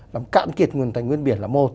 làm cạn kiệt nguyên thành nguyên biển là một